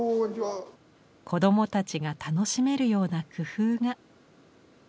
子どもたちが楽しめるような工夫が。